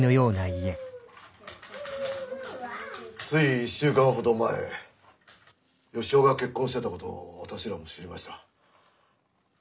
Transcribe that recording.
つい１週間ほど前義雄が結婚してたことを私らも知りました。